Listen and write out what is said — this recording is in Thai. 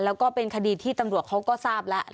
แล้วก็เป็นคดีที่ตำรวจเขาก็ทราบแล้ว